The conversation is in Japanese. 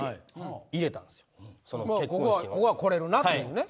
ここは来れるっていうね。